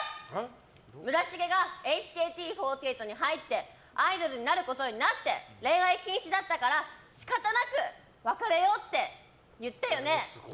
村重がＨＫＴ４８に入ってアイドルになることになって恋愛禁止だったから仕方なく別れようって言ったよね。